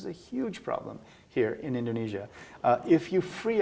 dan perlindungan sosial